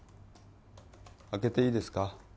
開けていいですか？